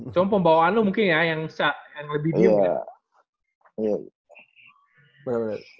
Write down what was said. cuma pembawaan lu mungkin ya yang lebih diam gitu